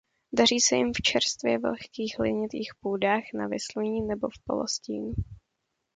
Daří se jim v čerstvě vlhkých hlinitých půdách na výsluní nebo v polostínu.